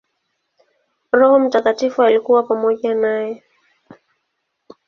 Roho Mtakatifu alikuwa pamoja naye.